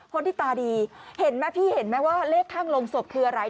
คนที่ตาดีเห็นไหมพี่เห็นไหมว่าเลขข้างลงศพคืออะไร